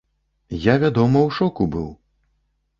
Я, вядома, у шоку быў.